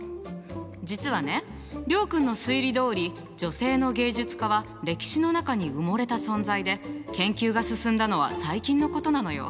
実はね諒君の推理どおり女性の芸術家は歴史の中に埋もれた存在で研究が進んだのは最近のことなのよ。